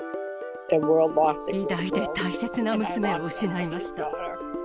偉大で大切な娘を失いました。